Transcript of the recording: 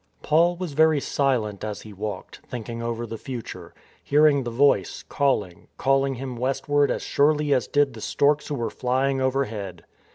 Paul was very silent as he walked, thinking over the future, hearing the Voice calling, calling him west ward as surely as did the storks who were flying over head.